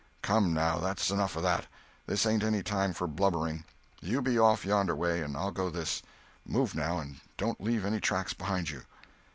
"Come, now, that's enough of that. This ain't any time for blubbering. You be off yonder way and I'll go this. Move, now, and don't leave any tracks behind you."